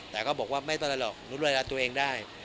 แต่ก็บอกว่าไม่เป็นไรหรอกหนูดูแลตัวเองได้